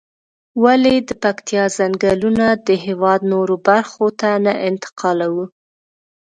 ولې د پکتيا ځنگلونه د هېواد نورو برخو ته نه انتقالوو؟